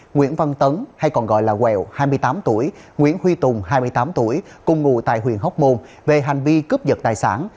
nguyễn văn tấn hai mươi tám tuổi nguyễn huy tùng hai mươi tám tuổi cùng ngủ tại huyện hóc môn về hành vi cướp giật tài sản